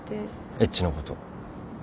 エッチのこと。